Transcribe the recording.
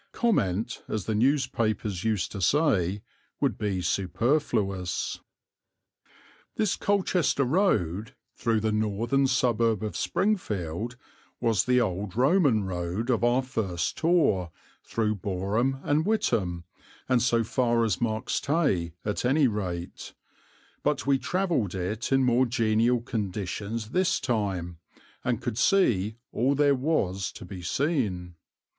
Comment, as the newspapers used to say, would be superfluous. This Colchester road, through the northern suburb of Springfield, was the old Roman road of our first tour, through Boreham and Witham and so far as Marks Tey, at any rate; but we travelled it in more genial conditions this time, and could see all there was to be seen.